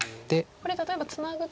これ例えばツナぐと。